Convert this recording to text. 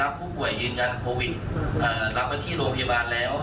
ตามเงื่อนไขของทางสารทางสุขกำหนดลงไปมดกล้าโทษ